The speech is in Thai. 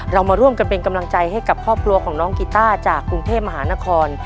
เรามาร่วมกันเป็นกำลังใจให้กับครอบครัวของน้องกีต้าจากกรุงเทพมหานคร